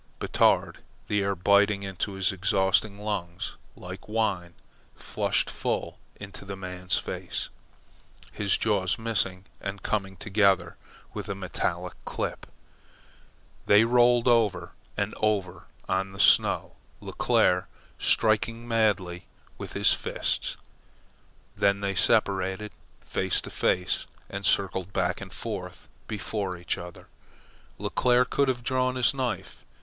Batard, the air biting into his exhausted lungs like wine, flashed full into the man's face, his jaws missing and coming together with a metallic clip. They rolled over and over on the snow, Leclere striking madly with his fists. Then they separated, face to face, and circled back and forth before each other. Leclere could have drawn his knife.